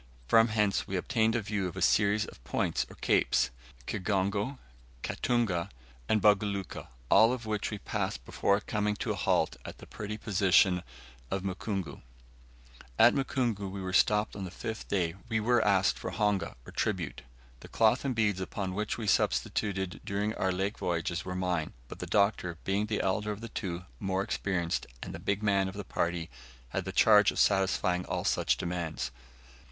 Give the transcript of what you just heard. From hence we obtained a view of a series of points or capes, Kigongo, Katunga, and Buguluka, all of which we passed before coming to a halt at the pretty position of Mukungu. At Mukungu, where we stopped on the fifth day, we were asked for honga, or tribute. The cloth and beads upon which we subsisted during our lake voyage were mine, but the Doctor, being the elder of the two, more experienced, and the "big man" of the party, had the charge of satisfying all such demands.